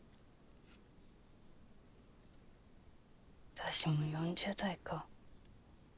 私も４０代か。